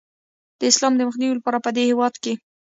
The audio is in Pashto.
د اسلام د مخنیوي لپاره پدې هیواد کې